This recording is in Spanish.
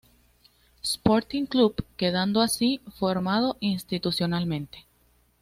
Sporting Club, quedando así formado institucionalmente.